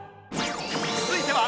続いては